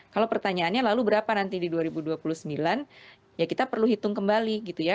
kalau pertanyaannya lalu berapa nanti di dua ribu dua puluh sembilan ya kita perlu hitung kembali gitu ya